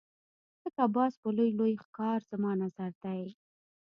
لکه باز په لوی لوی ښکار زما نظر دی.